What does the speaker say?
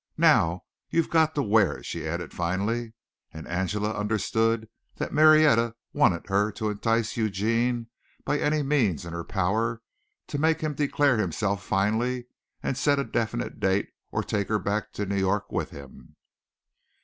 "Now you've got to wear it," she added finally, and Angela understood that Marietta wanted her to entice Eugene by any means in her power to make him declare himself finally and set a definite date or take her back to New York with him.